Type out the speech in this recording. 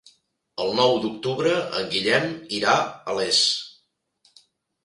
El nou d'octubre en Guillem irà a Les.